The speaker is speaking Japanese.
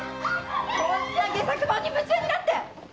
こんな戯作本に夢中になって！